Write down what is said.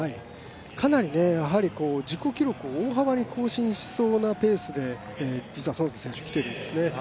かなり自己記録を大幅に更新しそうなペースで実は園田選手、来ているんですね。